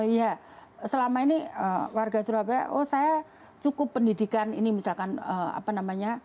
iya selama ini warga surabaya oh saya cukup pendidikan ini misalkan apa namanya